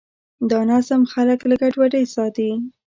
دا نظم خلک له ګډوډۍ ساتي.